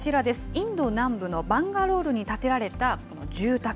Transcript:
インド南部のバンガロールに建てられたこの住宅。